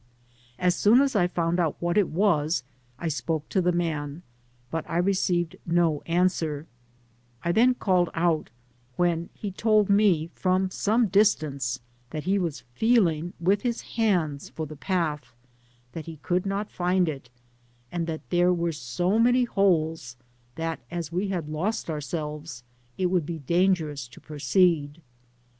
As soon as I found out what it Digitized byGoogk TBE PAMPAS. was, I spoke to the man, but I received no answer; I then called out, when he told me fronr some dis tance, that he was feeling with his hands for the path, — that he could not find it, — and that there were so many holes that, as we had lost ourselves, it would be dangerous to proceed.